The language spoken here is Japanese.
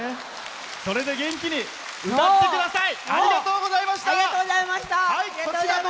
元気に歌ってください！